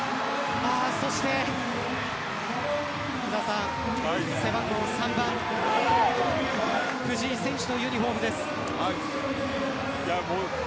そして、背番号３番藤井選手のユニホームです。